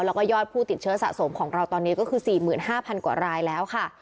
แล้วก็ยอดผู้ติดเชื้อสะสมของเราตอนนี้ก็คือ๔๕๐๐กว่ารายแล้วค่ะ